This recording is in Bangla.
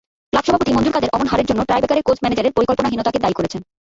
ক্লাব সভাপতি মনজুর কাদের অমন হারের জন্য টাইব্রেকারে কোচ-ম্যানেজারের পরিকল্পনাহীনতাকে দায়ী করেছেন।